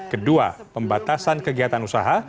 kedua pembatasan kegiatan usaha